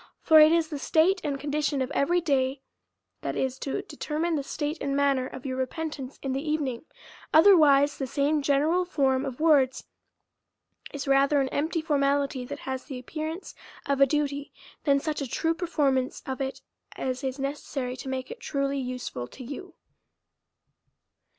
For it is the state and condition of <5very day that is to determine the state and manner of your repentance in the evening ; otherwise, the same ge neral form of words is rather an empty formality, that has the appearance of a duty, than such a true perform ance of it, as is necessary to make it truly useful to you.